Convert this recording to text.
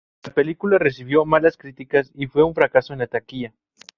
La película recibió malas críticas y fue un fracaso en la taquilla.